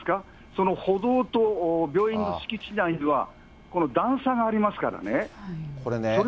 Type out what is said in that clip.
その歩道と病院の敷地内には、この段差がありますからね。